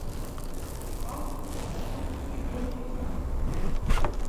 Ахә аӡы ишәмыржәын.